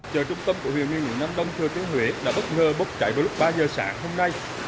chợ trung tâm của huyện nghi lũ nam đông thừa thiên huế đã bất ngờ bốc cháy vào lúc ba giờ sáng hôm nay